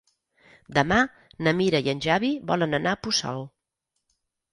Demà na Mira i en Xavi volen anar a Puçol.